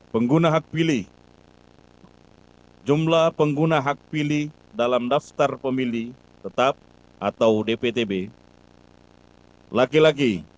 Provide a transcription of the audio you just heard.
pengguna hak pilih jumlah pengguna hak pilih dalam daftar pemilih tetap atau dptb laki laki delapan tujuh empat empat enam enam